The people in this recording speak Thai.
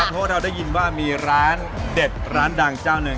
แล้วโทรศัพท์เท่าได้ยินว่ามีร้านเด็ดร้านดังเจ้าหนึ่ง